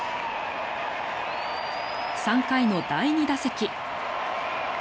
３回の第２打席。